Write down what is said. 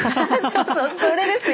そうそうそれですよ。